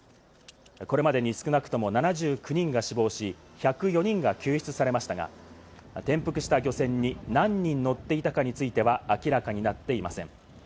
これまでに少なくとも７９人が死亡し、１０４人が救出されましたが、転覆した漁船に何人乗っていたかについては明らかになっていません。